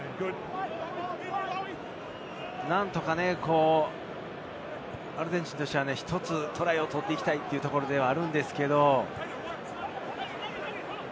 何とかアルゼンチンとしては１つトライを取っていきたいところではあるんですけれど。